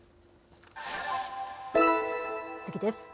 次です。